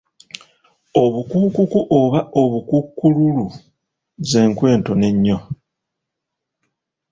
Obukukuku oba obukukululu z’enku entono ennyo.